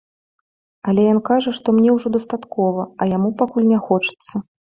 Але ён кажа, што мне ўжо дастаткова, а яму пакуль не хочацца.